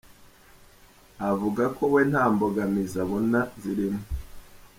Avuga ko we nta mbogamizi abona zirimo.